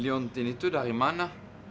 liontin itu dari mana